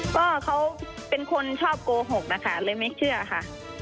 ก็เขาเป็นคนชอบโกหกนะคะเลยไม่เชื่อค่ะ